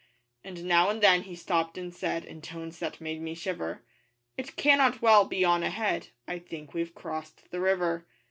And now and then he stopped and said In tones that made me shiver 'It cannot well be on ahead, '_I think we've crossed the river.